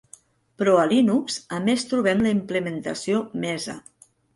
Però a Linux a més trobem la implementació Mesa.